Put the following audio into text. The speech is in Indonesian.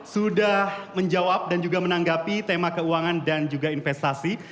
sudah menjawab dan juga menanggapi tema keuangan dan juga investasi